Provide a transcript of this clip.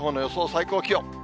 最高気温。